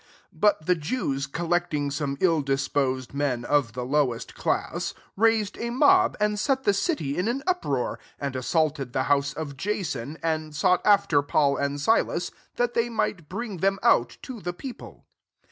5 But the Jews collecting some ill disposed men of the lowest class, raised a mob, and set the city in an up roar, and assaulted the house of Jason, and sought after Paul and Silas, that they might bring them out to the people.